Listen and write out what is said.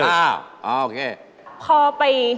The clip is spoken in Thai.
คุณแคลรอนครับ